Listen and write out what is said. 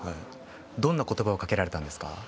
どんな言葉をかけられましたか。